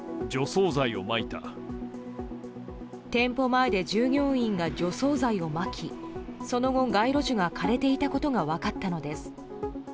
店舗前で従業員が除草剤をまきその後、街路樹が枯れていたことが分かったのです。